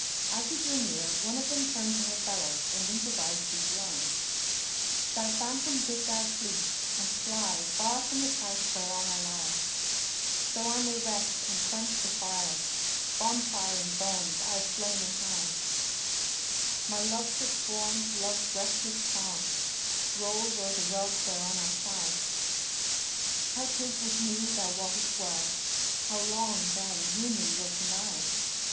As he drew near, one of them turned to her fellows and improvised these lines, "Thy phantom bid thou fleet, and fly * Far from the couch whereon I lie; So I may rest and quench the fire, * Bonfire in bones aye flaming high; My love sick form Love's restless palm * Rolls o'er the rug whereon I sigh: How 'tis with me thou wottest well * How long, then, union wilt deny?"